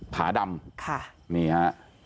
ผาดำค่ะนี่ฮะ